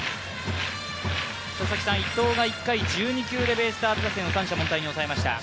伊藤が１回、１２球でベイスターズ打線を三者凡退に抑えました。